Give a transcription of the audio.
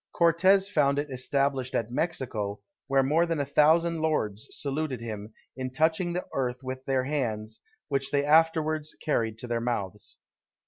Cortez found it established at Mexico, where more than a thousand lords saluted him, in touching the earth with their hands, which they afterwards carried to their mouths.